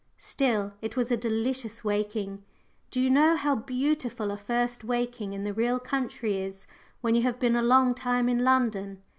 Still, it was a delicious waking. Do you know how beautiful a first waking in the real country is when you have been a long time in London?